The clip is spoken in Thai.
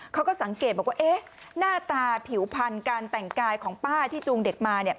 เขาก็สังเกตว่าหน้าตาผิวพันธ์การแต่งกายของป้าที่จูงเด็กมา